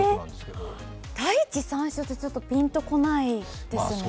「大地讃頌」ってピンと来ないですね。